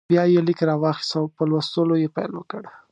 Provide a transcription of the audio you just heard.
بیا یې لیک راواخیست او په لوستلو یې پیل وکړ.